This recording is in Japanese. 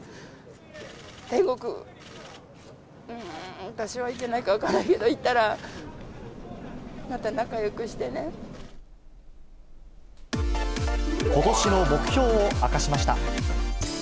天国、私はいけないか分かんないけど、いったら、また仲よくしてことしの目標を明かしました。